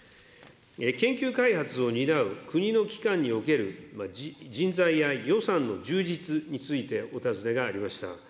研究開発を担う国の機関における人材や予算の充実についてお尋ねがありました。